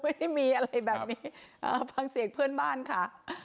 ไม่ได้มีอะไรแบบนี้ฟังเสียงเพื่อนบ้านค่ะ